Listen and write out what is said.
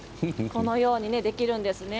このようにできるんですね。